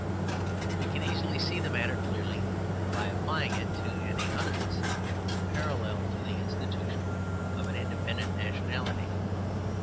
We can easily see the matter clearly by applying it to any other institution parallel to the institution of an independent nationality.